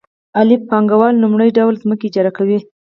الف پانګوال لومړی ډول ځمکه اجاره کوي